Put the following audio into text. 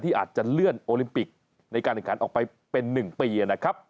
ที่อาจจะเลื่อนโอลิมปิกในการอังการออกไปเป็น๑ปี